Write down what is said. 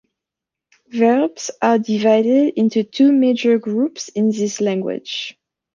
Verbs are divided into two major groups in this language.